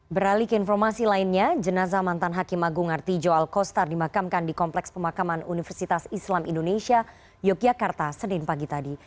beralik informasi lainnya jenazah mantan hakim agung artijo alkostar dimakamkan di kompleks pemakaman universitas islam indonesia yogyakarta senin pagi tadi